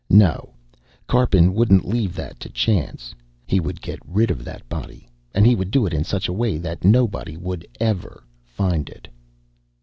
No, Karpin wouldn't leave that to chance. He would get rid of that body, and he would do it in such a way that nobody would ever find it.